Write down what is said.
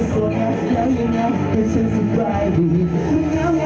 หยุดมีท่าหยุดมีท่า